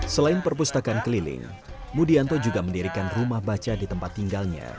selain perpustakaan keliling mudianto juga mendirikan rumah baca di tempat tinggalnya